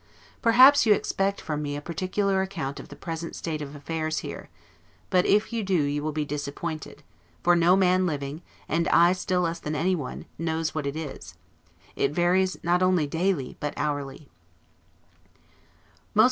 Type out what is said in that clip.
Perhaps you expect from me a particular account of the present state of affairs here; but if you do you will be disappointed; for no man living (and I still less than anyone) knows what it is; it varies, not only daily, but hourly.